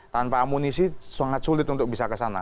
tanpa amunisi sangat sulit untuk bisa ke sana